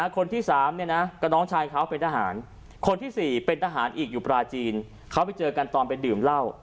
คนที่๓กับน้องชายเขาเป็นทหารคนที่๔เป็นทหารอีกอยู่ปลาจีนเขาไปเจอกันตอนไปดื่มเหล้า